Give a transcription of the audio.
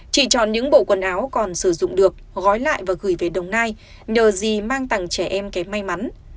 chị chọn những bộ quần áo còn sử dụng được gói lại và gửi về đồng nai nhờ gì mang tằng trẻ em kém may mắn